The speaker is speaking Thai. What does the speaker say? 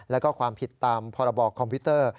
แล้วก็ความผิดตามพรบคอมพิวเตอร์